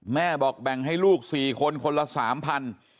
แม่บอกแบ่งให้ลูก๔คนคนละ๓๐๐บาท